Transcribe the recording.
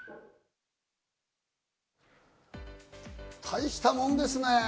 大したもんですね！